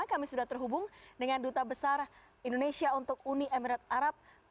kami sudah terhubung dengan duta besar indonesia untuk uni emirat arab